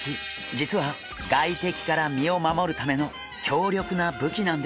実は外敵から身を守るための強力な武器なんです。